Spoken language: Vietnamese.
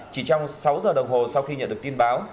chỉ trong sáu giờ đồng hồ sau khi nhận được tin báo